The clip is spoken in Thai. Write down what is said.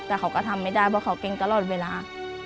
แต่เขาก็ทำไม่ได้เพราะเขาเก่งตลอดเวลา